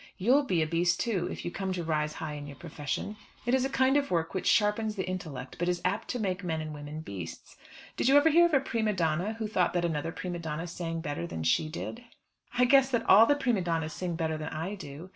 You'll be a beast too if you come to rise high in your profession. It is a kind of work which sharpens the intellect, but is apt to make men and women beasts. Did you ever hear of a prima donna who thought that another prima donna sang better than she did?" "I guess that all the prima donnas sing better than I do."